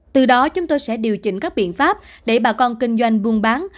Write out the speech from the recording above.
từ đó chúng tôi sẽ điều chỉnh các biện pháp để bà con kinh doanh buôn bán